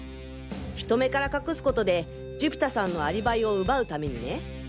人目から隠すことで寿飛太さんのアリバイを奪うためにね。